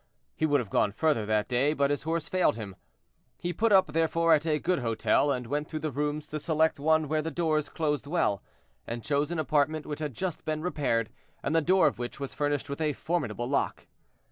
He would have gone further that day, but his horse failed him. He put up, therefore, at a good hotel, and went through the rooms to select one where the doors closed well, and chose an apartment which had just been repaired, and the door of which was furnished with a formidable lock.